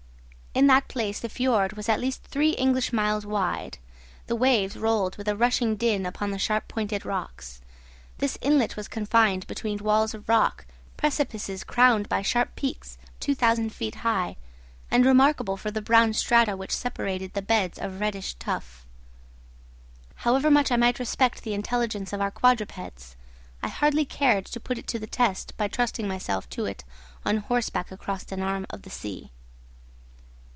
In that place the fiord was at least three English miles wide; the waves rolled with a rushing din upon the sharp pointed rocks; this inlet was confined between walls of rock, precipices crowned by sharp peaks 2,000 feet high, and remarkable for the brown strata which separated the beds of reddish tuff. However much I might respect the intelligence of our quadrupeds, I hardly cared to put it to the test by trusting myself to it on horseback across an arm of the sea.